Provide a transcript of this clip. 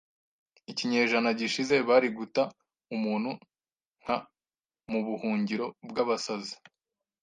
Ikinyejana gishize bari guta umuntu nka mubuhungiro bwabasazi.